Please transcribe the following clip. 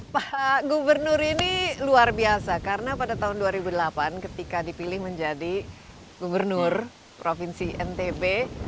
pak gubernur ini luar biasa karena pada tahun dua ribu delapan ketika dipilih menjadi gubernur provinsi ntb